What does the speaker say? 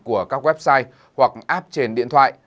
của các website hoặc app trên điện thoại